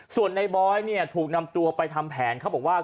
ส่วนในบอยเนี่ยถูกนำตัวไปทำแผนเขาบอกว่า